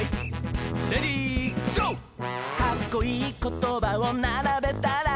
「かっこいいことばをならべたら」